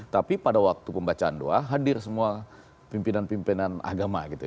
tapi pada waktu pembacaan doa hadir semua pimpinan pimpinan agama gitu ya